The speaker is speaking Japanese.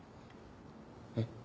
えっ？